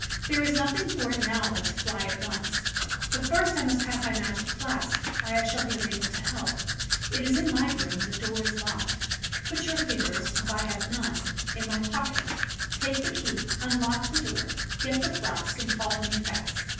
"There is nothing for it now but to fly at once. But first I must have my magic flask, or I shall be unable to help. It is in my room and the door is locked. Put your fingers, since I have none, in my pocket, take the key, unlock the door, get the flask, and follow me fast.